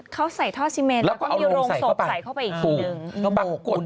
เค้าใส่ท่อซิเมนก็เอาโรงโสบใส่อีกที